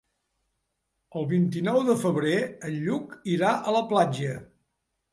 El vint-i-nou de febrer en Lluc irà a la platja.